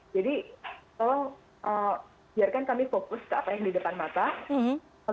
jadi tolong biarkan kami fokus ke apa yang di depan mata